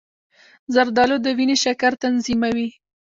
زردآلو د وینې شکر تنظیموي.